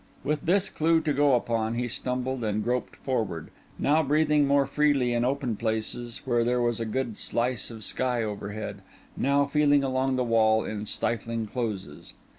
With this clue to go upon he stumbled and groped forward, now breathing more freely in open places where there was a good slice of sky overhead, now feeling along the wall in stifling closes.